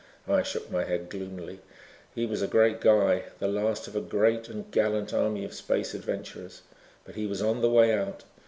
I shook my head gloomily. He was a great guy, the last of a great and gallant army of space adventurers, but he was on the way out.